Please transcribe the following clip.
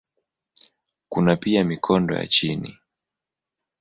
Kuna pia mikondo ya chini.